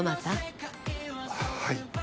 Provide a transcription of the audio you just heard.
はい。